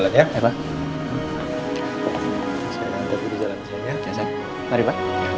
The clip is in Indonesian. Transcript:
apa itu bu